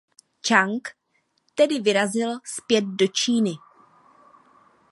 Čang tedy vyrazil zpět do Číny.